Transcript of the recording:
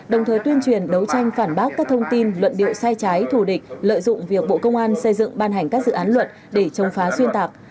đồng thời tuyên truyền đấu tranh phản bác các thông tin luận điệu sai trái thù địch lợi dụng việc bộ công an xây dựng ban hành các dự án luật để chống phá xuyên tạc